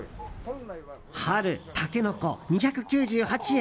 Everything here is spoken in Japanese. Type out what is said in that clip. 春、タケノコ、２９８円